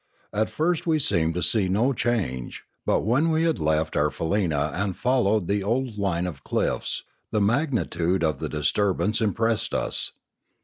At first we seemed to see no change, but when we had left our faleena and followed the old line of cliffs, the mag nitude of the disturbance impressed us.